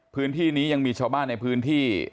พื้นที่นี้ยังมีชาวบ้านในพื้นที่